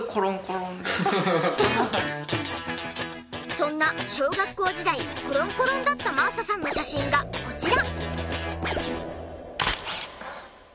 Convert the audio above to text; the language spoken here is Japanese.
そんな小学校時代コロンコロンだった真麻さんの写真がこちら。